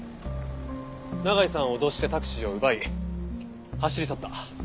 永井さんを脅してタクシーを奪い走り去った。